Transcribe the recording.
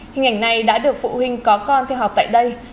hình ảnh này đã được phụ huynh có con theo học tại đây